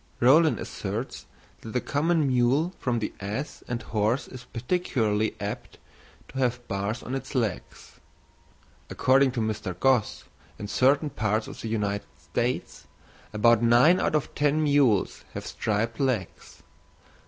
Rollin asserts that the common mule from the ass and horse is particularly apt to have bars on its legs; according to Mr. Gosse, in certain parts of the United States, about nine out of ten mules have striped legs.